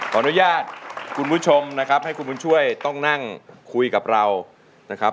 ขออนุญาตคุณผู้ชมนะครับให้คุณบุญช่วยต้องนั่งคุยกับเรานะครับ